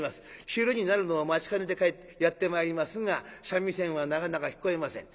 昼になるのを待ちかねてやって参りますが三味線はなかなか聞こえません。